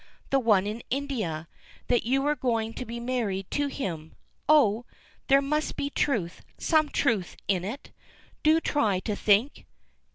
The one in India. That you were going to be married to him. Oh! there must be truth some truth in it. Do try to think!"